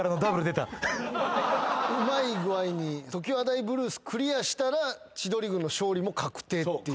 うまい具合に『常盤台ブルース』クリアしたら千鳥軍の勝利も確定っていう。